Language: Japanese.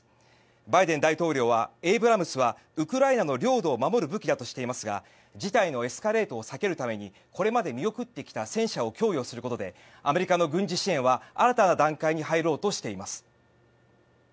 バイデン大統領はエイブラムスはウクライナの領土を守る武器だとしていますが事態のエスカレートを避けるためにこれまで見送ってきた戦車を供与することでアメリカの軍事支援は新たな段階に入ろうとしています。